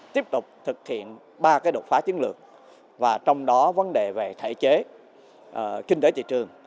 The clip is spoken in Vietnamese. tiếp tục thực hiện ba đột phá chiến lược và trong đó vấn đề về thể chế kinh tế thị trường